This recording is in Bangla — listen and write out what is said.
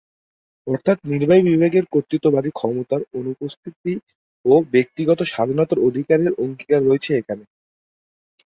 অর্থাৎ নির্বাহি বিভাগের কর্তৃত্ববাদী ক্ষমতার অনুপস্থিতি ও ব্যক্তিগত স্বাধীনতার অধিকারের অঙ্গীকার রয়েছে এখানে।